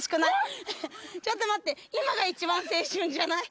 ちょっと待って。